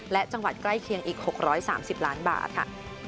และจังหวัดใกล้เคียงอีก๖๓๐ล้านบาทค่ะ